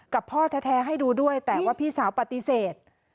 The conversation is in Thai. พ่อแท้ให้ดูด้วยแต่ว่าพี่สาวปฏิเสธ